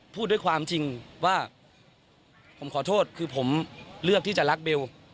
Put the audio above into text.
พูดด้วยความจริงว่าผมขอโทษคือผมเลือกที่จะรักเบล